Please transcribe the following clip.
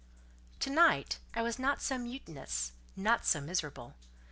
To night, I was not so mutinous, nor so miserable.